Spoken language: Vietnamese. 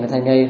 cái thai nhây